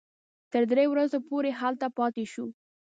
تر درې ورځو پورې هلته پاتې شوو.